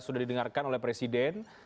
sudah didengarkan oleh presiden